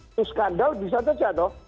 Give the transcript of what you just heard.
itu skandal bisa saja dong